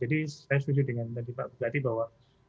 jadi saya setuju dengan pak bugati bahwa